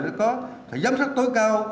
sẽ có giám sát tối cao